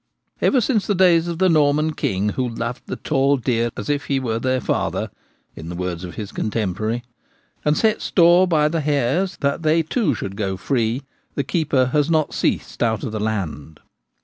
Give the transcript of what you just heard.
Ever since the days of the Norman King who loved the tall deer as if he were their father — in the words of his contemporary — and set store by the hares that they too should go free, the keeper has not ceased out of the land.